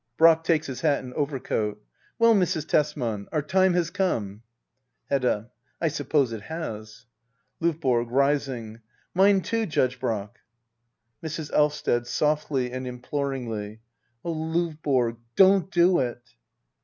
Brack. \Takes his hat and overcoat.] Well, Mrs. Tesman, our time has come. Hedda. I suppose it has. LoVBORO. [Rising,] Mine too. Judge Brack. Mrs. Elvsted. [Softly and imploringly.] Oh, Lovborg, don't do it!